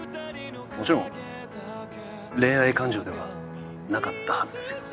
もちろん恋愛感情ではなかったはずですけど。